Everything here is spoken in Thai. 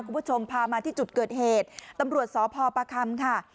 คุณผู้ชมพามาที่จุดเกิดเหตุตำรวจสพประคำค่ะ